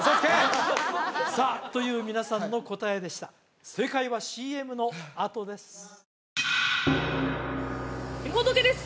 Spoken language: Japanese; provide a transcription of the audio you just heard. さあという皆さんの答えでした正解はＣＭのあとですみほとけです